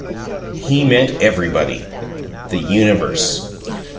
He meant everybody the universe.